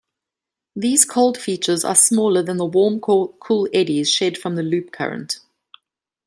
These cold features are smaller than the warm-core eddies shed from the Loop Current.